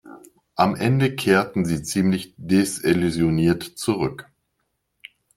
Am Ende kehrten sie ziemlich desillusioniert zurück.